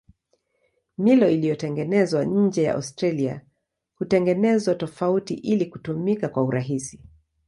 Milo iliyotengenezwa nje ya Australia hutengenezwa tofauti ili kutumika kwa urahisi.